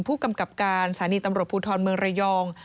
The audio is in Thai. ผู้กำกับการสถานีตำรวจภูทรเมืองระยอง